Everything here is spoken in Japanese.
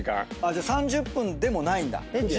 じゃあ３０分でもないんだ。